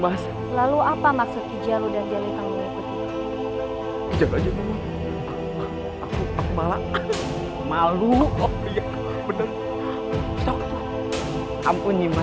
mas lalu apa maksud hijau dan jalinan berikutnya jangan jangan aku malah malu bener ampun iman